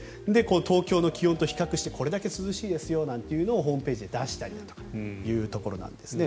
東京の気温と比較してこれだけ涼しいですよというのをホームページで出したりだとかというところなんですね。